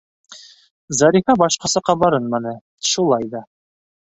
Зарифа башҡаса ҡабарынманы, шулай ҙа: